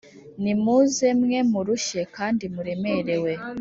Nimuze mwe murushye kandi muremerewe